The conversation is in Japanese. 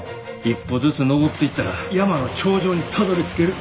一歩ずつ登っていったら山の頂上にたどりつける。